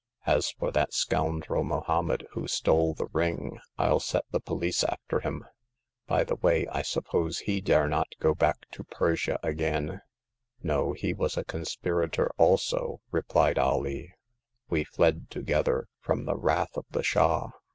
As for that scoundrel Mohommed who stole the ring, I'll set the police after him. By the way, I suppose he dare not go back to Persia again !'No ; he was a conspirator also," replied Alee, We fled together from the wrath of the Shah.